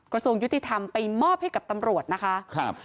กระทรวงยุติธรรมไปมอบให้กับตำรวจนะคะครับ